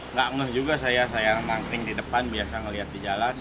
nggak ngeh juga saya saya mangkring di depan biasa ngeliat di jalan